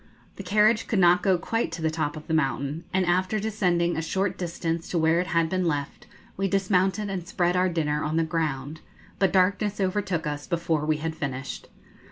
The carriage could not go quite to the top of the mountain, and after descending a short distance to where it had been left, we dismounted and spread our dinner on the ground; but darkness overtook us before we had finished.